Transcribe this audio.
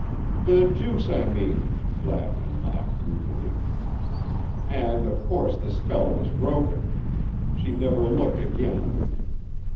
"The juice, I mean," Gladwin laughed ruefully, "and, of course, the spell was broken. She never looked again.